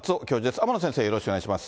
天野先生、よろしくお願いします。